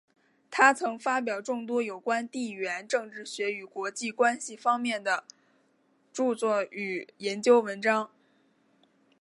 他曾发表众多有关地缘政治学与国际关系方面的着作与研究文章。